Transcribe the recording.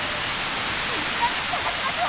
みんなでさがしましょう！